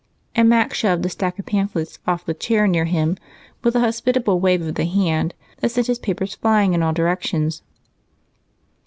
And Mac shoved a stack of pamphlets off the chair near him with a hospitable wave of the hand that sent his papers flying in all directions.